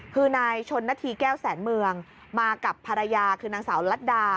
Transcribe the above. คือนายชนนาธีแก้วแสนเมืองมากับภรรยาคือนางสาวลัดดา